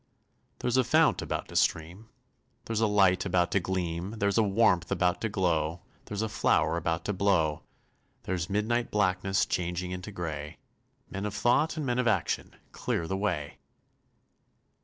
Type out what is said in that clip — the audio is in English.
There's a fount about to stream, There's a light about to gleam, There's a warmth about to glow, There's a flower about to blow; There's midnight blackness changing Into gray! Men of thought and men of action, Clear the way!